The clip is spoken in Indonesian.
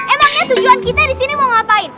emangnya tujuan kita disini mau ngapain